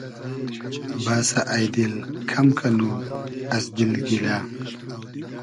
بئسۂ اݷ دیل کئم کئنو از دیل گیلۂ